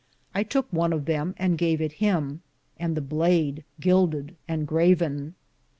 I toke one of them and gave it him, and the blad gilded and graven.